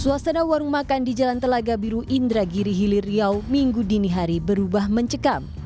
suasana warung makan di jalan telaga biru indragiri hilir riau minggu dini hari berubah mencekam